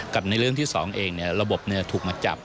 กับในเรื่องที่๒เองเนี่ยระบบเนี่ยถูกมาจับ